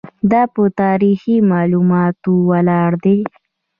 دا په تاریخي معلوماتو ولاړ دی.